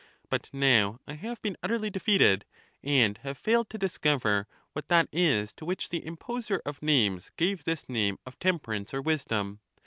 But now I have been utterly defeated, and have failed to discover what that is to which the imposer of names gave this name of temperance or wisdom.